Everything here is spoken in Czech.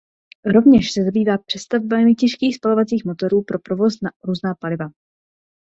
Rovněž se zabývá přestavbami těžkých spalovacích motorů pro provoz na různá paliva.